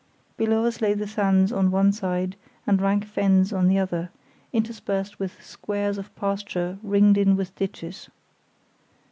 Below us lay the sands on one side and rank fens on the other, interspersed with squares of pasture ringed in with ditches.